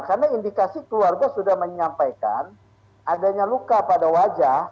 karena indikasi keluarga sudah menyampaikan adanya luka pada wajah